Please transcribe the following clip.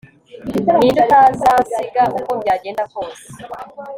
ninde utazansiga uko byagenda kose